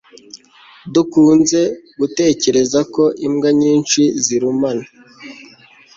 Dukunze gutekereza ko imbwa nyinshi ziruma